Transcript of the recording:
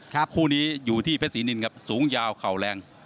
คู่นี้อยู่ที่เผ็ดศรีมาลสูงยาวเข่าแรง